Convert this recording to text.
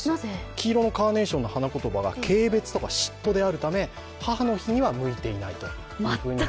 黄色のカーネーションの花言葉が軽蔑とか嫉妬であるため母の日には向いていないというらしいです。